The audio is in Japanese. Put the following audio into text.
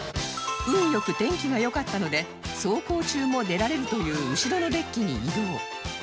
運良く天気が良かったので走行中も出られるという後ろのデッキに移動